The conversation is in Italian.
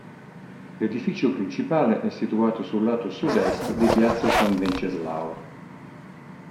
L'edificio principale è situato sul lato sud est di Piazza San Venceslao.